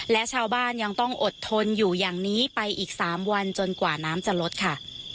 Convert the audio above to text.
และชาวบ้านยังต้องอดทนอยู่อย่างนี้ไปอีก๓วันจนกว่าน้ำจะลดค่ะ